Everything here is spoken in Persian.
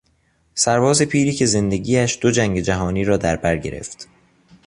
سرباز پیری که زندگیش دو جنگ جهانی را دربر گرفت